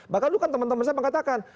bahkan dulu kan teman teman saya mengatakan